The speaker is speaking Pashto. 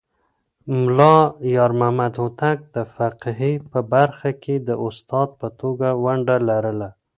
ملا يارمحمد هوتک د فقهه په برخه کې د استاد په توګه ونډه لرله.